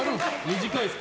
短いですか？